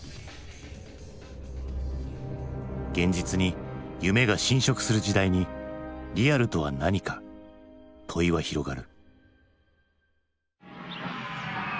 現実に夢が侵食する時代に「リアルとは何か？」問いは広がる。